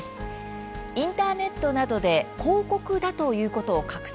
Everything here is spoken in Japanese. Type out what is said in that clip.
インターネットなどで広告だということを隠す